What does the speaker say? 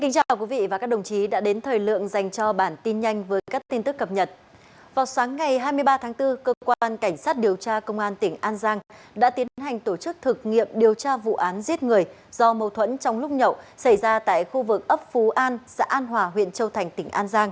các bạn hãy đăng ký kênh để ủng hộ kênh của chúng mình nhé